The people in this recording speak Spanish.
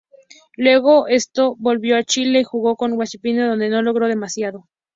Luego de esto volvió a Chile y jugó en Huachipato, donde no logró demasiado.